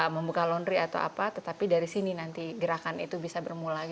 membuka laundry atau apa tetapi dari sini nanti gerakan itu bisa bermula